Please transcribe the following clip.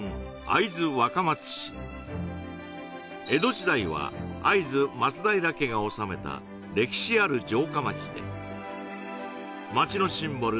江戸時代は会津松平家が治めた歴史ある城下町で街のシンボル